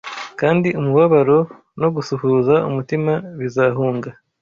kandi umubabaro no gusuhuza umutima bizahunga